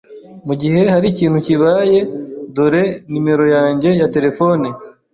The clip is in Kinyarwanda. Mugihe harikintu kibaye, dore numero yanjye ya terefone.